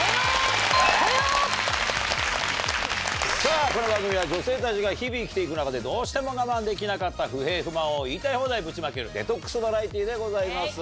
さぁこの番組は女性たちが日々生きて行く中でどうしても我慢できなかった不平不満を言いたい放題ぶちまけるデトックスバラエティーでございます。